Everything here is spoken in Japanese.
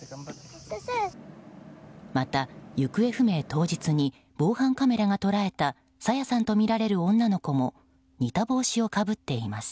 また、行方不明当日に防犯カメラが捉えた朝芽さんとみられる女の子も似た帽子をかぶっています。